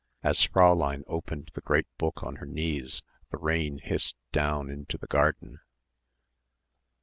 As Fräulein opened the great book on her knees the rain hissed down into the garden.